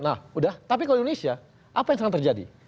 nah udah tapi kalau indonesia apa yang sedang terjadi